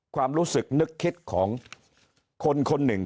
ความรู้สึกนึกคิดของคนคนหนึ่ง